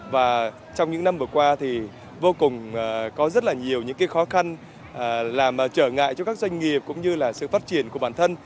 và trong những năm vừa qua thì vô cùng có rất là nhiều những khó khăn làm trở ngại cho các doanh nghiệp cũng như là sự phát triển của bản thân